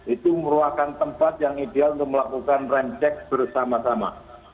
itu meruahkan tempat yang ideal untuk melakukan rentek bersama sama